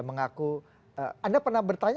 mengaku anda pernah bertanya